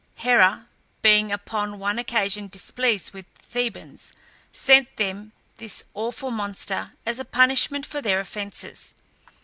Hera, being upon one occasion displeased with the Thebans, sent them this awful monster, as a punishment for their offences.